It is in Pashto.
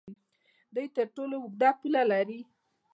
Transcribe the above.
دوی تر ټولو اوږده پوله لري.